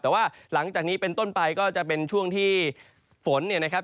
แต่ว่าหลังจากนี้เป็นต้นไปก็จะเป็นช่วงที่ฝนเนี่ยนะครับ